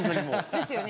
ですよね